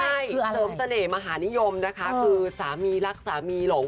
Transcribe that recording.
ใช่เสริมเสน่หมหานิยมนะคะคือสามีรักสามีหลง